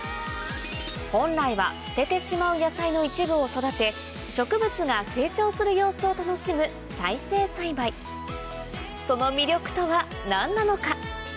本来は捨ててしまう野菜の一部を育て植物が成長する様子を楽しむその魅力とは何なのか？